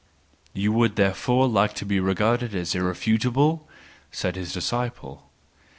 "—" You would, therefore, like to be regarded as irrefutable?" said his disciple.